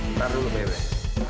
ntar dulu bebek